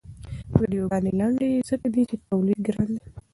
ویډیوګانې لنډې ځکه دي چې تولید ګران دی.